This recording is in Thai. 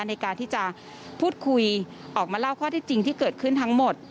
ในการที่จะพูดคุยออกมาเล่าข้อที่จริงที่เกิดขึ้นทั้งหมด